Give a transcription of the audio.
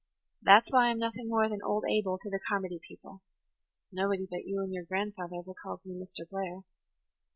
That's why I'm nothing more than 'Old Abel' to the Carmody people. Nobody but you and your grandfather ever calls me 'Mr. Blair.'